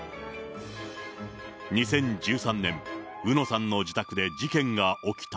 ２０１３年、うのさんの自宅で事件が起きた。